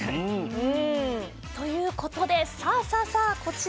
うん。ということでさあさあさあこちらです。